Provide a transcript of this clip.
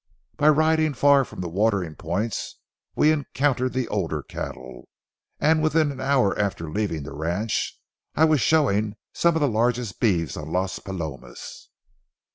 By riding far from the watering points we encountered the older cattle, and within an hour after leaving the ranch I was showing some of the largest beeves on Las Palomas.